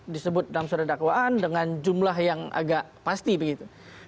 disebut dalam surat dakwaan dengan jumlah yang agak pasti begitu